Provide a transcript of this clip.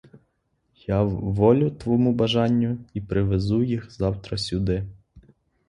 Я вволю твому бажанню і привезу їх завтра сюди.